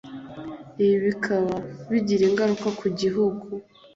ibi bikaba bigira ingaruka ku gihugu